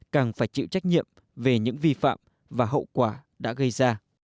càng phải chịu trách nhiệm về những vi phạm và hậu quả đã gây ra